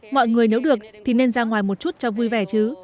mọi người nếu được thì nên ra ngoài một chút cho vui vẻ chứ